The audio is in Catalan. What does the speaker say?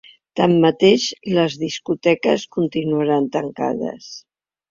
Tanmateix, les discoteques continuaran tancades.